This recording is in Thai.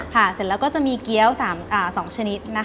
เสร็จแล้วก็จะมีเกี้ยว๒ชนิดนะคะ